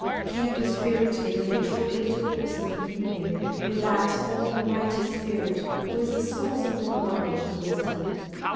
Keep your spirit in habitual intercourse and communion with that Almighty Spirit who is the source of all knowledge and wisdom.